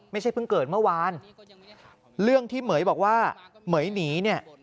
เพิ่งเกิดเมื่อวานเรื่องที่เหม๋ยบอกว่าเหม๋ยหนีเนี่ย